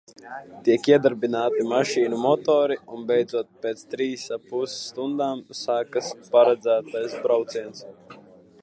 Tiek iedarbināti mašīnu motori un beidzot, pēc trīsarpus stundām, sākas paredzētais brauciens.